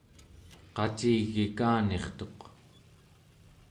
qacigikanirtuq